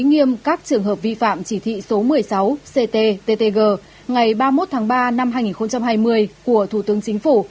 nghiêm các trường hợp vi phạm chỉ thị số một mươi sáu cttg ngày ba mươi một tháng ba năm hai nghìn hai mươi của thủ tướng chính phủ